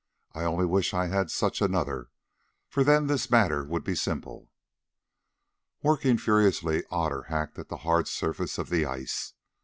I only wish I had such another, for then this matter would be simple." Working furiously, Otter hacked at the hard surface of the ice.